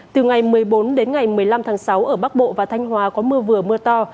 từ ngày một mươi bốn đến ngày một mươi năm tháng sáu ở bắc bộ và thanh hóa có mưa vừa mưa to